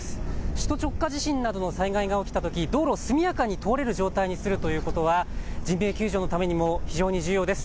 首都直下地震などの災害が起きたとき、道路を速やかに通れる状態にするということは人命救助のためにも非常に重要です。